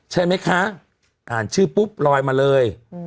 ใช่ไหมคะอ่านชื่อปุ๊บลอยมาเลย